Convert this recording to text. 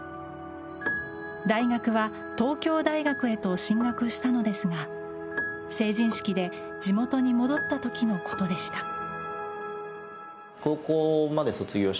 大学は東京大学へと進学したのですが成人式で地元に戻った時のことでした。